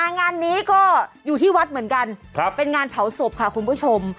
งานนี้ก็อยู่ที่วัดเหมือนกันเป็นงานเผาศพค่ะคุณผู้ชม